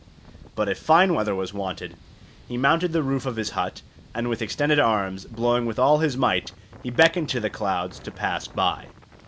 But if fine weather was wanted, he mounted the roof of his hut, and with extended arms, blowing with all his might, he beckoned to the clouds to pass by.